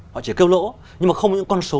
họ chỉ kêu lỗ nhưng mà không những con số